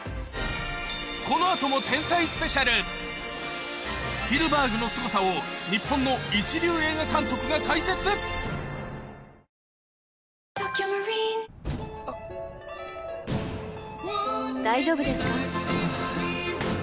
この後もスピルバーグのすごさを日本の一流映画監督が解説大丈夫ですか？